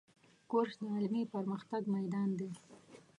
کورس د علمي پرمختګ میدان دی.